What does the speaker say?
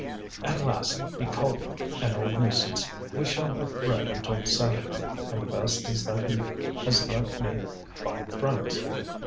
"At last he called me an old nuisance. We shall have bread until Saturday, and the best is that he has lent me five francs.